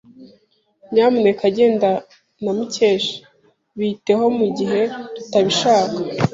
"Nyamuneka genda na Mukesha." "Bite ho mu gihe tutabishaka?"